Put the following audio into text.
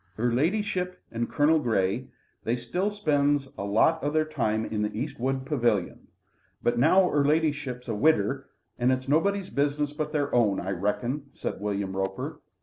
"'Er ladyship and Colonel Grey, they still spends a lot of their time in the East wood pavilion. But now 'er ladyship's a widder, it's nobody's business but their own, I reckon," said William Roper.